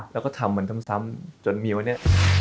แล้วก็ทำมันซ้ำจนมีวันนี้